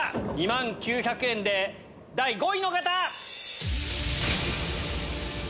２万９００円で第５位の方！